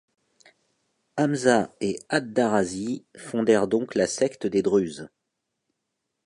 Hamza et ad-Darazî fondèrent donc la secte des Druzes.